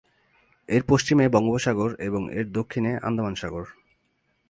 এর পশ্চিমে বঙ্গোপসাগর এবং এর দক্ষিণে আন্দামান সাগর।